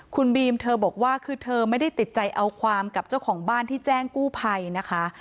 คุณบีมเธอบอกว่าคือเธอไม่ได้ติดใจเอาความกับเจ้าของบ้านที่แจ้งกู้ภัยนะคะ